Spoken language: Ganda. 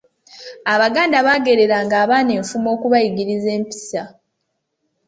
Abaganda baagereranga abaana enfumo okubayigiriza empisa.